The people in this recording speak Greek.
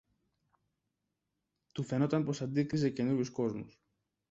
Του φαίνουνταν πως αντίκριζε καινούριους κόσμους.